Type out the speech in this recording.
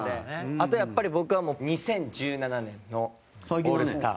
あと、やっぱり、僕は、もう２０１７年のオールスター。